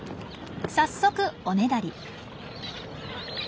早速おねだり。